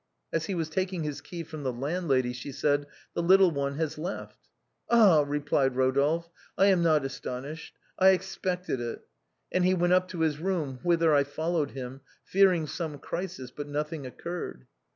" As he was taking his key from the landlady, she said, ' The lit tle one has left.' ' Ah !' replied Rodolphe ;' I am not as tonished, I expected it.' And he went up to his room, whither I followed him, fearing some crisis, but nothing occurred.